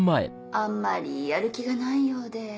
あんまりやる気がないようで。